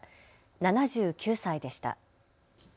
７９歳でした。